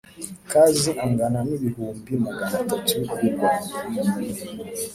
Kazi angana n ibihumbi magana atatu y u rwanda